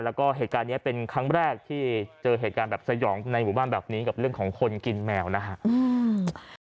แล้วก็เหตุการณ์นี้เป็นครั้งแรกที่เจอเหตุการณ์แบบสยองในหมู่บ้านแบบนี้กับเรื่องของคนกินแมวนะครับ